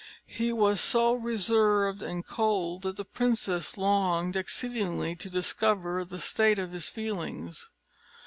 He was so reserved and cold, that the princess longed exceedingly to discover the state of his feelings.